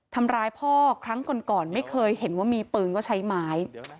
ทำร้ายพ่อครั้งก่อนไม่เคยเห็นว่ามีปืนก็ใช้ไม้